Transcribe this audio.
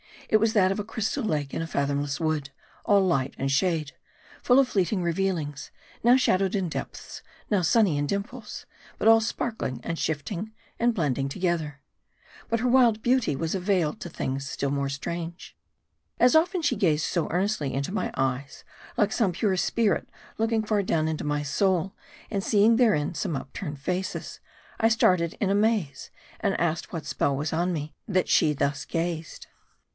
It was that of a crystal lake in a fathomless wood : all light and shade ; full of fleeting revealings ; now shadowed in depths ; now sunny in dimples ; but all sparkling and shifting, and blending to gether. But her wild beauty was a vail to things still more strange. As often she gazed so earnestly into my eyes, like some pure spirit looking far down into my soul, and seeing therein some upturned faces, I started in amaze, and asked what spell was on me, that thus she gazed.